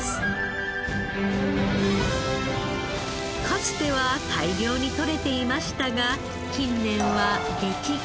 かつては大量に取れていましたが近年は激減。